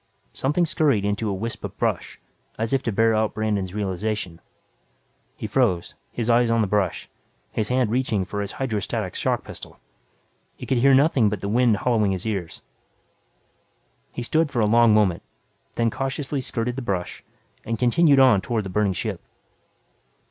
Something scurried into a wisp of brush, as if to bear out Brandon's realization. He froze, his eyes on the brush, his hand reaching for his hydro static shock pistol. He could hear nothing but the wind hollowing his ears. He stood for a long moment, then cautiously skirted the brush, and continued on toward the burning ship.